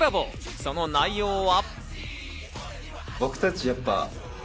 その内容は。